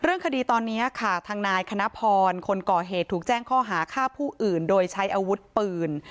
เรื่องคดีตอนนี้ค่ะทางนายคณะพรคนก่อเหตุถูกแจ้งข้อหาฆ่าผู้อื่นโดยใช้อาวุธปืน